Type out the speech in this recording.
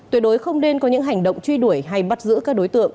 tuyệt đối không nên có những hành động truy đuổi hay bắt giữ các đối tượng